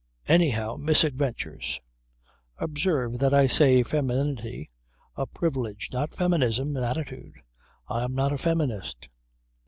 Anyhow misadventures. Observe that I say 'femininity,' a privilege not 'feminism,' an attitude. I am not a feminist.